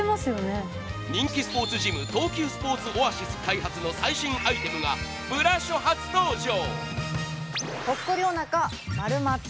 人気スポーツジムの東急オアシスが開発した、最新アイテムがブラショ初登場。